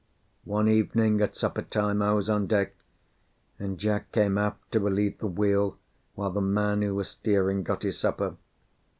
One evening, at supper time, I was on deck, and Jack came aft to relieve the wheel while the man who was steering got his supper.